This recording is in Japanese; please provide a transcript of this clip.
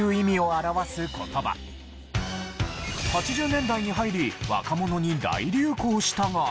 ８０年代に入り若者に大流行したが。